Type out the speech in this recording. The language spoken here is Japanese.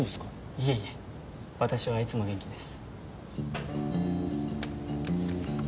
いえいえ私はいつも元気です。